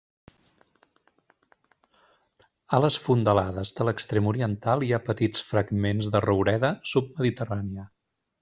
A les fondalades de l'extrem oriental hi ha petits fragments de roureda submediterrània.